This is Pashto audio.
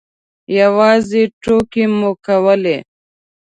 یوازې ټوکې مو کولې.